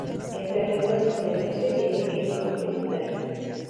El terreno es montañoso y tiene clima continental.